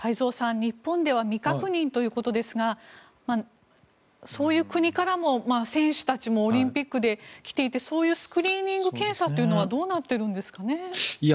日本では未確認ということですがそういう国からも選手たちもオリンピックで来ていてそういうスクリーニング検査というのはどうなっているんですかね。